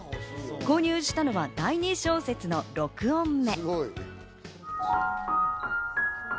購入したのは第２小節の６音目。